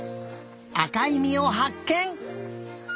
あかいみをはっけん！